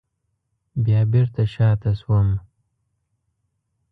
بیا بېرته شاته شوم.